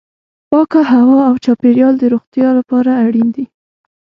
پاکه هوا او چاپیریال د روغتیا لپاره اړین دي.